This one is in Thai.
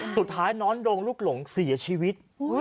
สุดท้ายน้องโดนลูกหลงเสียชีวิต